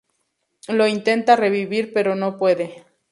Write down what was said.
Lo intenta revivir pero no puede.